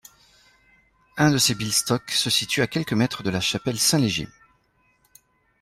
Un de ces bildstocks se situe à quelques mètres de la chapelle Saint-Léger.